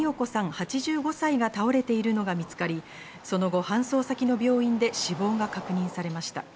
８５歳が倒れているのが見つかり、その後搬送先の病院で死亡が確認されました。